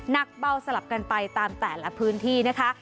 หนักเบาสลับกันไปตามแต่ละพื้นที่นะคะ